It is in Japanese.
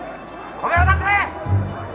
米を出せ！